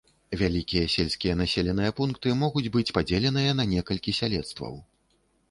Вялікія сельскія населеныя пункты могуць быць падзеленыя на некалькі салецтваў.